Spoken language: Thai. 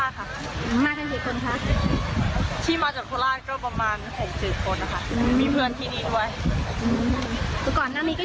มาจากโคราชค่ะมากันเกี่ยวกันค่ะที่มาจากโคราชก็ประมาณหกสิบคนค่ะ